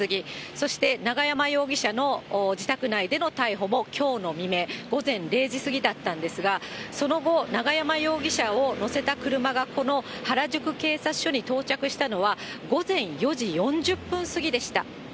そして、永山容疑者の自宅内での逮捕もきょうの未明、午前０時過ぎだったんですが、その後、永山容疑者を乗せた車がこの原宿警察署に到着したのは、午前４時４０分過ぎでした。